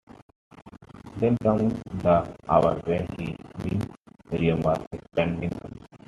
Then came the hours when he knew Miriam was expecting him.